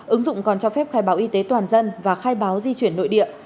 ứng dụng còn cho phép khai báo y tế toàn dân và khai báo di chuyển nội địa